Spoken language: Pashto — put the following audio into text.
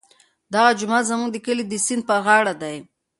دغه جومات زموږ د کلي د سیند پر غاړه دی.